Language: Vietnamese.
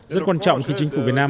rất quan trọng khi chính phủ việt nam